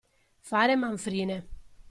Fare manfrine.